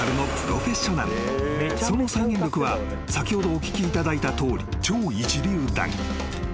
［その再現力は先ほどお聞きいただいたとおり超一流だが］